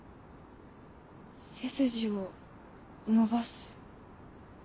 背筋を伸ばす？